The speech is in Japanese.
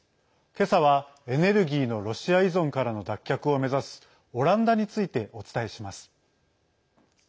けさは、エネルギーのロシア依存からの脱却を目指すオランダについて、お伝えします。